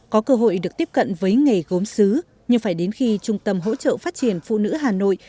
có cơ hội được tiếp cận với nghề gốm xứ nhưng phải đến khi trung tâm hỗ trợ phát triển phụ nữ hà nội